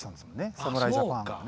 サムライジャパンがね。